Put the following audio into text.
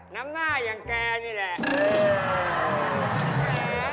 น้ำหน้าอย่างแกนี่แหละ